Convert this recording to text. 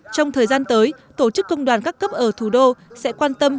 trong thời gian tới tổ chức công đoàn các cấp ở thủ đô sẽ quan tâm